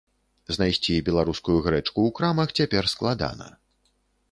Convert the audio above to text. Знайсці беларускую грэчку ў крамах цяпер складана.